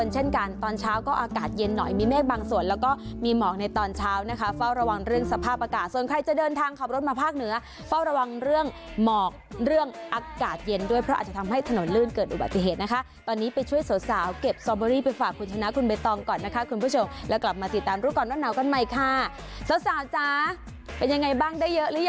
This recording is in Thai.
เช่นกันตอนเช้าก็อากาศเย็นหน่อยมีเมฆบางส่วนแล้วก็มีหมอกในตอนเช้านะคะเฝ้าระวังเรื่องสภาพอากาศส่วนใครจะเดินทางขับรถมาภาคเหนือเฝ้าระวังเรื่องหมอกเรื่องอากาศเย็นด้วยเพราะอาจจะทำให้ถนนลื่นเกิดอุบัติเหตุนะคะตอนนี้ไปช่วยสาวเก็บสอบบอรี่ไปฝากคุณชนะคุณเบตตองก่อนนะคะคุณผู้ชมแล้วกลับมาติด